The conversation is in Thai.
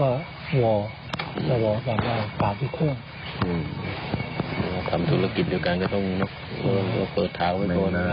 อืมทำธุรกิจเดียวกันก็ต้องเปิดเท้าไว้ตัวนะ